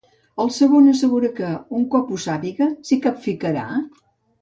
El segon assegura que, un cop ho sàpiga, s'hi capficarà?